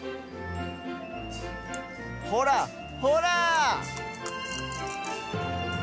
ほらほら！